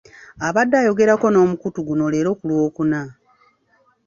Abadde ayogerako n'omukutu guno leero ku Lwokuna.